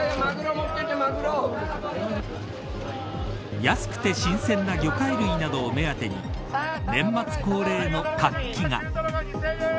安くて新鮮な魚介類などを目当てに年末恒例の活気が。